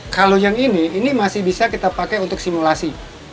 kalau yang ini ini masih bisa kita pakai untuk simulasi